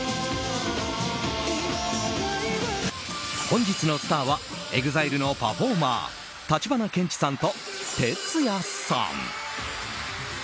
本日のスターはＥＸＩＬＥのパフォーマー橘ケンチさんとＴＥＴＳＵＹＡさん。